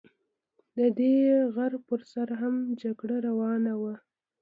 د دې غر پر سر هم جګړه روانه وه.